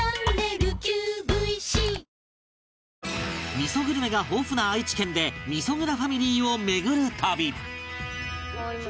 味噌グルメが豊富な愛知県で味噌蔵ファミリーを巡る旅